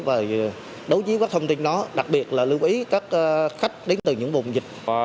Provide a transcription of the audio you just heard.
và đối chiếu các thông tin đó đặc biệt là lưu ý các khách đến từ những vùng dịch